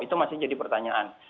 itu masih jadi pertanyaan